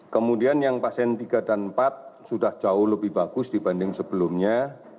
kemudian yang pasien tiga dan empat sudah jauh lebih bagus dibanding sebelumnya